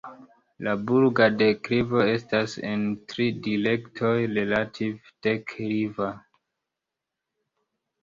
La burga deklivo estas en tri direktoj relative dekliva.